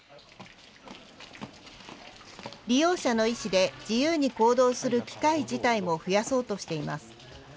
利用者の意思で自由に行動する機会自体も増やそうとしています。